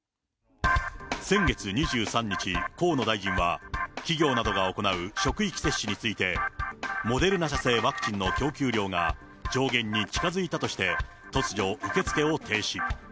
先月２３日、河野大臣は、企業などが行う職域接種について、モデルナ社製ワクチンの供給量が上限に近づいたとして、突如、受け付けを停止。